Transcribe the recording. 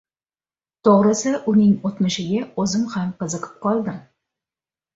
To‘g‘risi, uning o‘tmishiga o‘zim ham qiziqib qoldim.